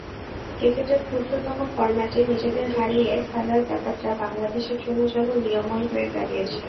ক্রিকেটের ক্ষুদ্রতম ফরম্যাটে নিজেদের হারিয়ে ফেলার ব্যাপারটা বাংলাদেশের জন্য যেন নিয়মই হয়ে দাঁড়িয়েছে।